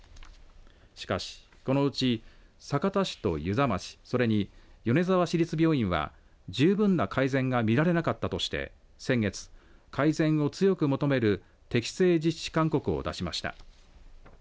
しかしこのうち酒田市と遊佐町それに米沢市立病院は十分な改善が見られなかったとして先月、改善を強く求める適正実施勧告を出しました。